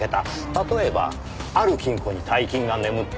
例えばある金庫に大金が眠っている。